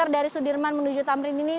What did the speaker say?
dari sudirman menuju tamrin ini